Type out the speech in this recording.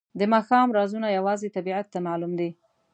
د ماښام رازونه یوازې طبیعت ته معلوم دي.